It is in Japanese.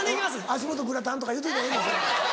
「足元グラタン」とか言うといたらええねん。